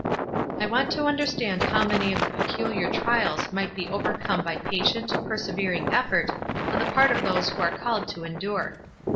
I want to understand how many of the peculiar trials might be overcome by patient, persevering effort on the part of those who are called to en dure.